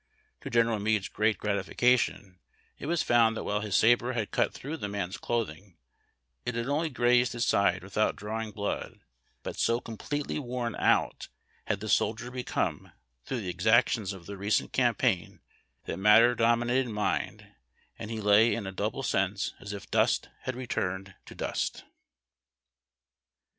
To General ^Meade's great gratifica tion, it was found that while his sabre had cut through the man's clothing, it had only grazed his side witliout drawing blood, but so completely worn out had the soldier become through the exactions of the recent campaign that matter dominated mind, and he lay in a double sense as if dust had returned to dust.